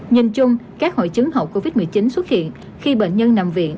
nhìn chung các hội chứng hậu covid một mươi chín xuất hiện khi bệnh nhân nằm viện